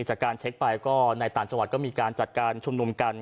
จากการเช็คไปก็ในต่างจังหวัดก็มีการจัดการชุมนุมกัน